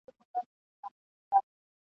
ژوند په خیال کي تېرومه راسره څو خاطرې دي ..